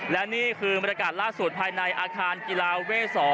และนี่คือบรรยากาศล่าสุดภายในอาคารกีฬาเวท๒